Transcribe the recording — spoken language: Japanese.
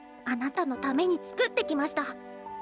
あなたのために作ってきました。